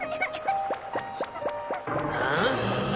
ああ？